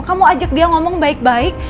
kamu ajak dia ngomong baik baik